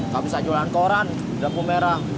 kamu bisa jualan koran dapur merah